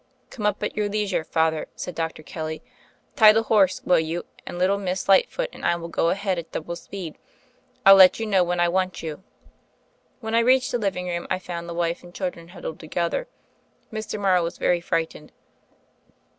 "Come up at your leisure, Father," said Dr. Kelly. Tie the horse will you, and little Miss Lightfoot and I will go ahead at double speed, ril let you know when I want you." When I reached the living room I found the wife and children huddled together. Mrs. Morrow was very frightened.